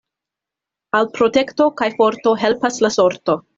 Al protekto kaj forto helpas la sorto.